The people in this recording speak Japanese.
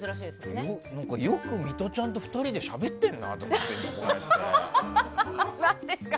よくミトちゃんと２人でしゃべってるなと思って。